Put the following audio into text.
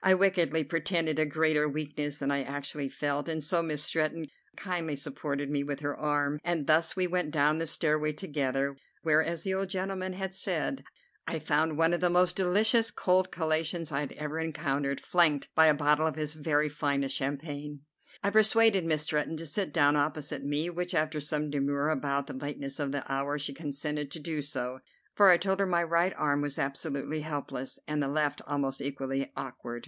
I wickedly pretended a greater weakness than I actually felt, and so Miss Stretton kindly supported me with her arm, and thus we went down the stairway together, where, as the old gentleman had said, I found one of the most delicious cold collations I had ever encountered, flanked by a bottle of his very finest champagne. I persuaded Miss Stretton to sit down opposite me, which, after some demur about the lateness of the hour, she consented to do, for I told her my right arm was absolutely helpless, and the left almost equally awkward.